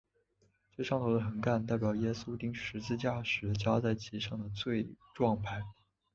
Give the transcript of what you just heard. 最上头的横杠代表耶稣钉十字架时加在其上的罪状牌。